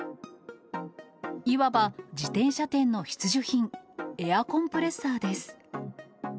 いわば自転車店の必需品、エアコンプレッサーです。